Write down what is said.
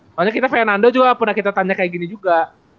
pokoknya kita fernando juga pernah kita tanya kayak gini juga